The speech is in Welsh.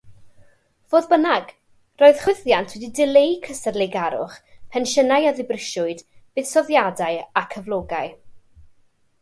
Fodd bynnag, roedd chwyddiant wedi dileu cystadleugarwch, pensiynau a ddibrisiwyd, buddsoddiadau a cyflogau.